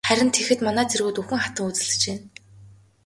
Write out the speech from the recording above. Харин тэгэхэд манай цэргүүд үхэн хатан үзэлцэж байна.